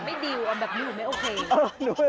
ไม่ดีแบบอยู่ไม่โอเค